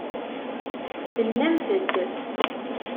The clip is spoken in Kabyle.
Tennamt-d.